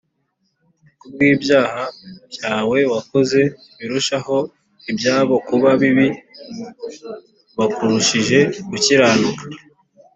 ku bw’ibyaha byawe wakoze birusha ibyabo kuba bibi bakurushije gukiranuka